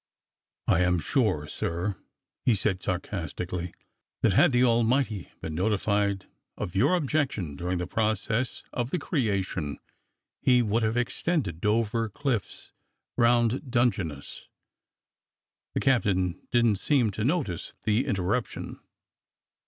"I am sure, sir," he said sarcastically, "that had the Almighty been notified of your objection during the process of the creation he would have extended Dover Cliffs round Dungeness." The captain didn't seem to notice the interruption.